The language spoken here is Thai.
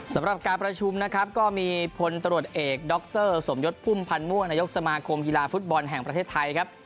สำหรับการประชุมก็มีพลตรวจเอกดสมยศพุ่มพันม่วงนายกสมาคมธุรกิจภูตบอลแห่งประเทศไทย